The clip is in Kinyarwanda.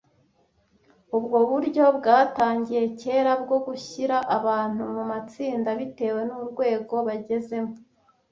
Ubwo buryo bwatangiye kera bwo gushyira abantu mu matsinda bitewe n’urwego bagazemo